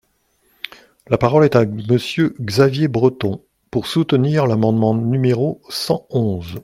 La parole est à Monsieur Xavier Breton, pour soutenir l’amendement numéro cent onze.